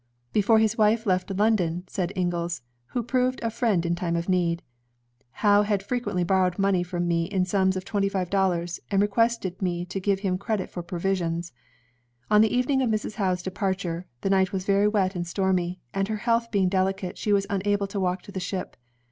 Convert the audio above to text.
"Before his wife left London,'' said Inglis, who proved a friend in time of need, "Howe had frequently borrowed money from me in sums of twenty five dollars, and re quested me to get him credit for provisions. On the evening of Mrs. Howe's departure, the night was very wet and stormy, and her health being delicate she was unable to walk to the ship.